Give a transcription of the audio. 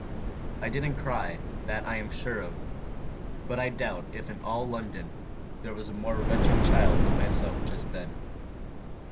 I didn't cry, that I am sure of; but I doubt if in all London there was a more wretched child than myself just then.